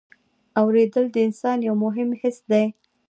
اورېدل د انسان یو مهم حس دی.